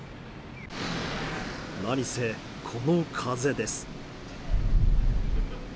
何せ、この風です。